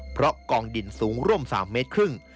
เพราะกองดินสูงร่วม๓เมตรครึ่ง